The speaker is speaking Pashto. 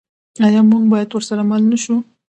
آیا موږ باید ورسره مل نشو؟